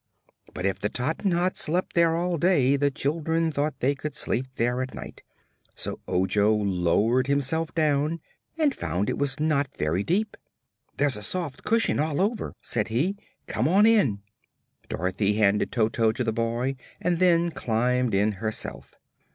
But if the Tottenhots slept there all day the children thought they could sleep there at night, so Ojo lowered himself down and found it was not very deep. "There's a soft cushion all over," said he. "Come on in." Dorothy handed Toto to the boy and then climbed in herself.